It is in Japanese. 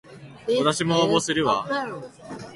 わたしも応募するわ